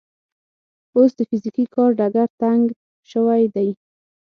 اوس د فزیکي کار ډګر تنګ شوی دی.